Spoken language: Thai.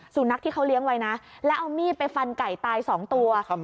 สุนัขที่เขาเลี้ยงไว้นะแล้วเอามีดไปฟันไก่ตายสองตัว